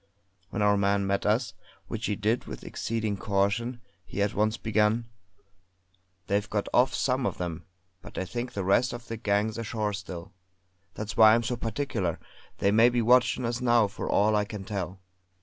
When our man met us, which he did with exceeding caution, he at once began: "They've got off, some of them; but I think the rest of the gang's ashore still. That's why I'm so particular; they may be watchin' us now for all I can tell."